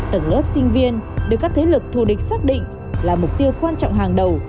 tầng lớp sinh viên được các thế lực thù địch xác định là mục tiêu quan trọng hàng đầu